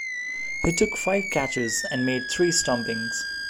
He took five catches and made three stumpings.